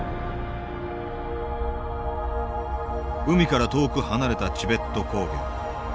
海から遠く離れたチベット高原。